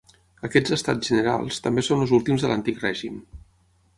Aquests Estats generals també són els últims de l'Antic Règim.